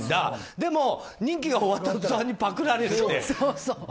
でも、任期が終わった途端にパクられるって。